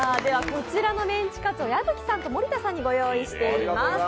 こちらのメンチカツを矢吹さんと森田さんにご用意しています。